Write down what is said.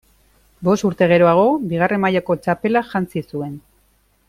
Bost urte geroago bigarren mailako txapela jantzi zuen.